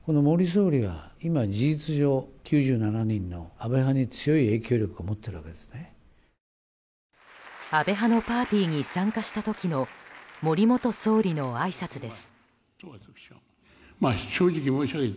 安倍派のパーティーに参加した時の森元総理のあいさつです。